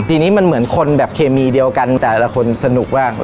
ทีนี้มันเหมือนคนแบบเคมีเดียวกันแต่ละคนสนุกว่า